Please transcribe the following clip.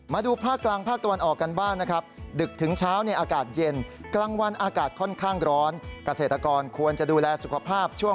มาดูภาคกลางภาคตะวันออกกันบ้างนะครับ